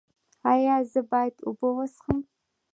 ایا زه باید اوبه وڅښم؟